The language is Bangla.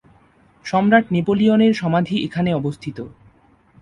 সম্রাট নেপোলিয়নের সমাধি এখানে অবস্থিত।